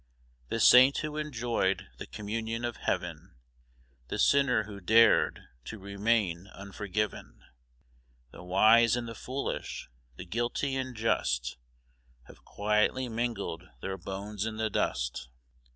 [The saint who enjoyed the communion of Heaven, The sinner who dared to remain unforgiven, The wise and the foolish, the guilty and just, Have quietly mingled their bones in the dust.